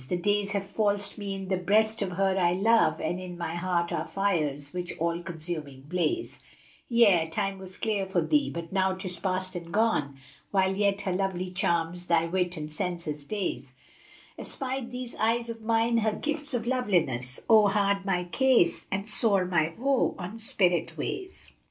The Days have falsed me in the breast of her I love * And in my heart are fires which all consuming blaze: Yea, Time was clear for thee, but now 'tis past and gone * While yet her lovely charms thy wit and senses daze: Espied these eyes of mine her gifts of loveliness: * Oh, hard my case and sore my woe on spirit weighs!